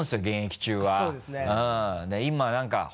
現役中は。